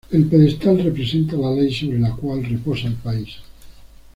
El pedestal representa la ley sobre la cual reposa el país.